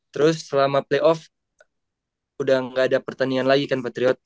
terus selama playoff udah nggak ada pertandingan lagi kan patriot